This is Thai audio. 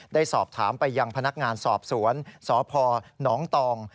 ได้สอบถามไปยังพนักงานสอบสวนสพนตอง